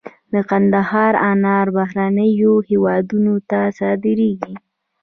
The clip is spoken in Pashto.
د کندهار انار بهرنیو هیوادونو ته صادریږي.